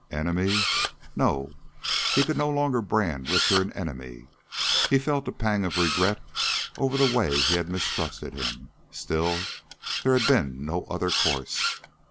Enemy? No, he could no longer brand Richter an enemy. He felt a pang of regret over the way he'd mistrusted him. Still, there had been no other course.